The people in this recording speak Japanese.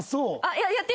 やってる？